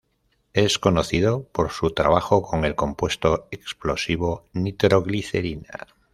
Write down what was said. Es conocido por su trabajo con el compuesto explosivo, nitroglicerina.